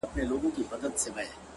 زما سره هغې نجلۍ بيا د يارۍ تار وتړی _